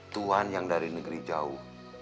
tuhan yang dari negeri jauh